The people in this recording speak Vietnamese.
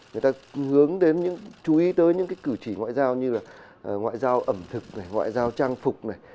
người ta hướng đến những chú ý tới những cái cử chỉ ngoại giao như là ngoại giao ẩm thực này ngoại giao trang phục này